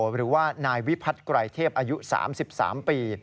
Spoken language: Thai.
หรือว่านายวิพัฒน์ไกรเทพอายุ๓๓ปี